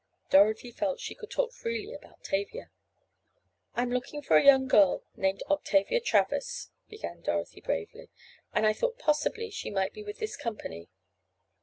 Dorothy felt she could talk freely with her about Tavia. "I am looking for a young girl named Octavia Travers," began Dorothy bravely, "and I thought possibly she might be with this company."